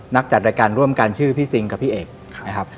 จัดรายการร่วมกันชื่อพี่ซิงกับพี่เอกนะครับ